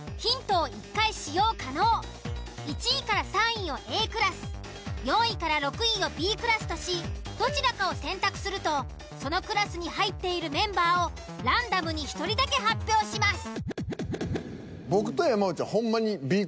１位３位をＡクラス４位６位をＢクラスとしどちらかを選択するとそのクラスに入っているメンバーをランダムに１人だけ発表します。